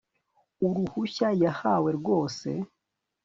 uruhushya yahawe. rwose